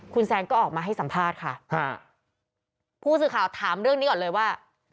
คุณแซนก็ออกมาให้สัมภาษณ์ค่ะผู้สื่อข่าวถามเรื่องนี้ก่อนเลยว่า